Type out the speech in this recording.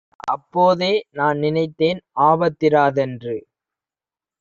"அப்போதே நான்நினைத்தேன் ஆபத்திரா தென்று.